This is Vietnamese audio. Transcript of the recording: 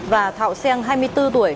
và thạo seng hai mươi bốn tuổi